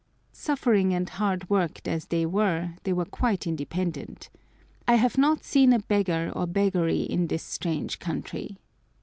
Suffering and hard worked as they were, they were quite independent. I have not seen a beggar or beggary in this strange country.